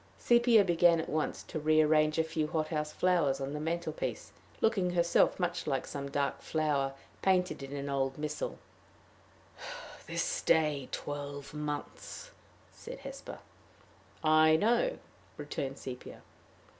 Sepia began at once to rearrange a few hot house flowers on the mantel piece, looking herself much like some dark flower painted in an old missal. "This day twelve months!" said Hesper. "I know," returned Sepia.